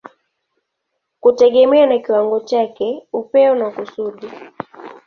kutegemea na kiwango chake, upeo na kusudi.